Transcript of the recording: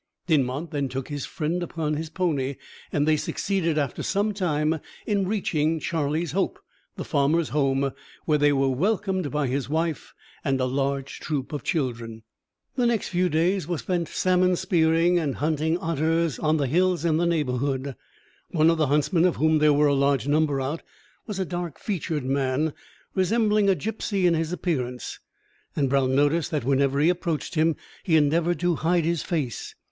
Dinmont then took his friend upon his pony, and they succeeded after some time in reaching Charlie's Hope, the farmer's home, where they were welcomed by his wife and a large troop of children. The next few days were spent salmon spearing, and hunting otters on the hills in the neighbourhood. One of the huntsmen, of whom there were a large number out, was a dark featured man, resembling a gipsy in his appearance; and Brown noticed that whenever he approached him he endeavoured to hide his face.